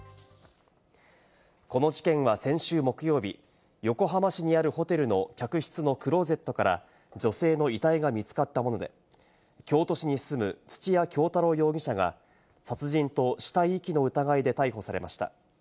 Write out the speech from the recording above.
この事件は先週木曜日、横浜市にあるホテルの客室のクローゼットから女性の遺体が見つかったもので、京都市に住む土屋京多郎容疑者が殺人と死体遺棄の疑いで逮捕されました。